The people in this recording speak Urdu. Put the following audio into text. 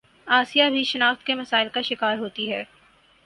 آسیہ بھی شناخت کے مسائل کا شکار ہوتی ہے